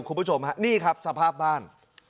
คุณผู้ชมฮะนี่ครับสภาพบ้าน